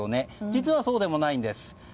実は、そうでもないんです。